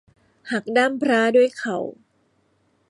หักด้ามพร้าด้วยเข่า